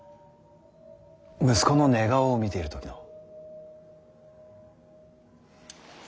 息子の寝顔を見ている時の。